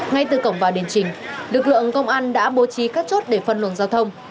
ngay từ cổng vào đền trình lực lượng công an đã bố trí các chốt để phân luồng giao thông